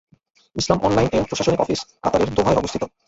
ইসলাম online এর প্রশাসনিক office কাতারের দোহায় অবস্থিত।